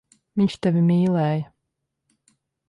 Viņš tevi mīlēja.